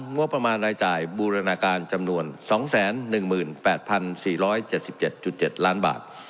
งบประมาณรายจ่ายบูรณาการจำนวน๒๑๘๔๗๗ล้านบาท